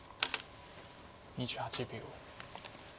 ２８秒。